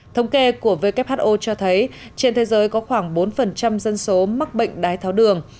thống kê của who cho thấy trên thế giới có khoảng bốn dân số mắc bệnh đái tháo đường